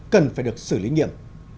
cần phải được xử lý nghiêm